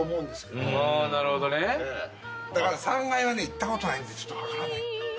だから３階は行ったことないんでちょっと分からない。